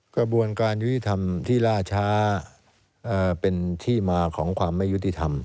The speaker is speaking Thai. กระบวนการยุติธรรมที่ล่าช้าเป็นที่มาของความไม่ยุติธรรม